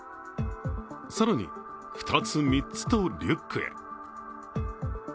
更に、２つ、３つとリュックへ。